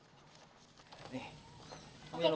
jangan lupa kita akan kembali ke rumah bu ida